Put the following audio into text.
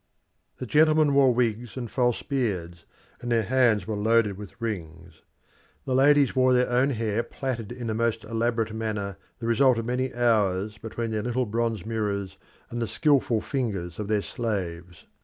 The gentlemen wore wigs and false beards, and their hands were loaded with rings. The ladies wore their own hair plaited in a most elaborate manner, the result of many hours between their little bronze mirrors and the skilful fingers of their slaves.